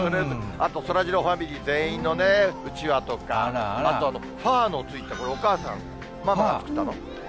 あとそらジローファミリー全員のね、うちわとか、あと、ファーのついたこのお母さん、ママが作ったの？